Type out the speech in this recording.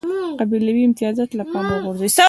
قبیلوي امتیازات یې له پامه وغورځول.